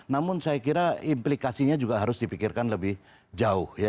namun saya kira implikasinya juga harus dipikirkan lebih jauh